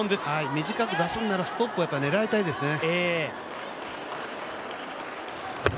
短く出すんなら、ストップを狙いたいですね。